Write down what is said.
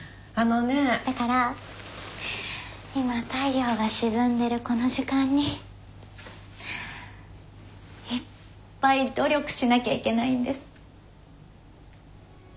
だから今太陽が沈んでるこの時間にいっぱい努力しなきゃいけないんです。